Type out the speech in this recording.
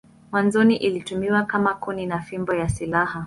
Mwanzoni ilitumiwa kama kuni na fimbo ya silaha.